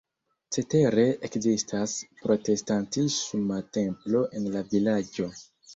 Cetere ekzistas protestantisma templo en la vilaĝo.